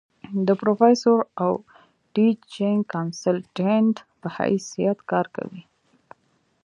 د پروفيسر او ټيچنګ کنسلټنټ پۀ حېث يت کار کوي ۔